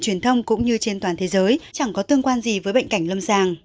truyền thông cũng như trên toàn thế giới chẳng có tương quan gì với bệnh cảnh lâm sàng